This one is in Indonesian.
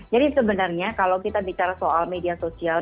jadi sebenarnya kalau kita bicara soal media sosial